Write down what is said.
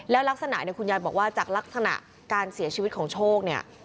แล้วลักษณะเนี่ยคุณยายบอกว่าจากลักษณะการเสียชีวิตของโชคเนี่ย